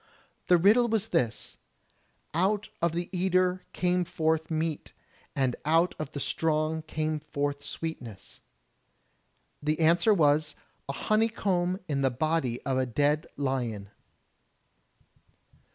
The riddle was this: "Out of the eater came forth meat, and out of the strong came forth sweetness.*' The answer was, "A honeycomb in the body of a dead lion."